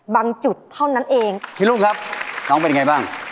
จุดเท่านั้นเองพี่รุ่งครับน้องเป็นยังไงบ้าง